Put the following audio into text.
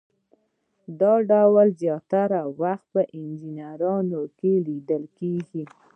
دا ډول زیاتره وخت په انجینرانو کې لیدل کیږي.